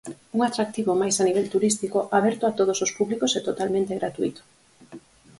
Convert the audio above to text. Un atractivo máis a nivel turístico, aberto a todos os públicos e totalmente gratuíto.